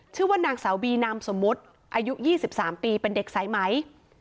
ชื่อว่านางสาวบีนามสมมุติอายุ๒๓ปีเป็นเด็กสายไหม